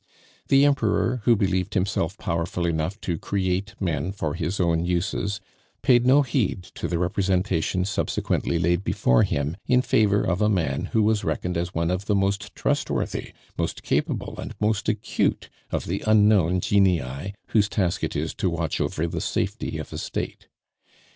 The Emperor, who believed himself powerful enough to create men for his own uses, paid no heed to the representations subsequently laid before him in favor of a man who was reckoned as one of the most trustworthy, most capable, and most acute of the unknown genii whose task it is to watch over the safety of a State.